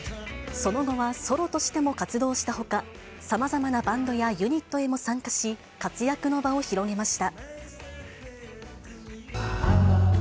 その後はソロとしても活動したほか、さまざまなバンドやユニットにも参加し、活躍の場を広げました。